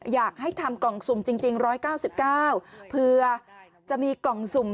อยากให้ทำกล่องสุ่มจริง๑๙๙เผื่อจะมีกล่องสุ่ม